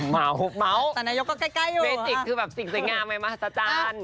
มาหุบเมาท์ฟันยกก็ใกล้อยู่ฟันยกคือสิ่งสวยงามใหม่มากสัตว์จาน